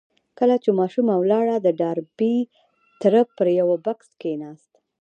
کله چې ماشومه ولاړه د ډاربي تره پر يوه بکس کېناست.